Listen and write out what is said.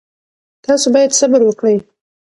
تاسو باید صبر وکړئ.